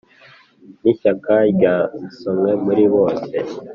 n'ishyaka ryasomwe muri bose